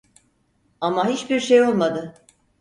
Ama hiçbir şey olmadı.